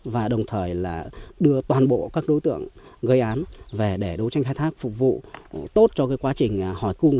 và đồng thời là đưa toàn bộ các đối tượng gây án về để đấu tranh khai thác phục vụ tốt cho quá trình hỏi cung